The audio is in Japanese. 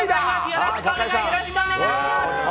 よろしくお願いします。